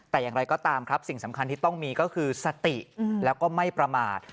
แต่อย่างไรก็ตามครับสิ่งสำคัญที่ต้องมีก็คือสติแล้วก็ไม่ประมาท